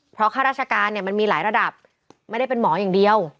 เพราะข้าราชการเนี่ยมันมีหลายระดับไม่ได้เป็นหมออย่างเดียว